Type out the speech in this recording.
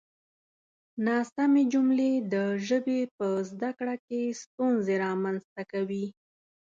ناسمې جملې د ژبې په زده کړه کې ستونزې رامنځته کوي.